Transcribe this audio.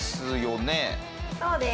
そうです。